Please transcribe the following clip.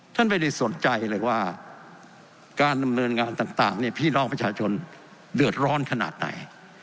ท่านไม่ได้สนใจเลยว่าการดำเนินงานต่างเนี่ยพี่น้องประชาชนเดือดร้อนขนาดไหน